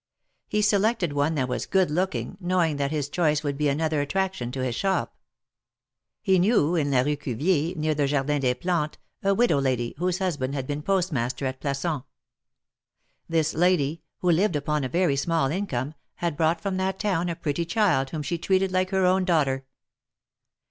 He selected one that was good looking, knowing that his choice would be another attraction to his shop. He knew in la Rue Cuvier, near the Jardin des Plantes, a widow lady, whose husband had been Postmaster at Plassans. This lady, who lived upon a very small income, had brought from that town a pretty child whom she treated like her own daughter.